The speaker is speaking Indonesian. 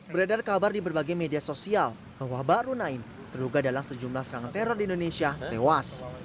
beredar kabar di berbagai media sosial bahwa bahru naim terluka dalam sejumlah serangan teror di indonesia tewas